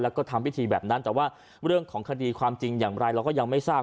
แล้วก็ทำพิธีแบบนั้นแต่ว่าเรื่องของคดีความจริงอย่างไรเราก็ยังไม่ทราบ